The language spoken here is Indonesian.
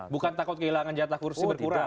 bukan takut kehilangan jatah kursi berkurang